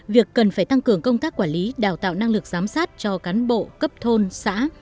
việc cần phải tăng cường công tác quản lý đào tạo năng lực giám sát cho cán bộ cấp thôn xã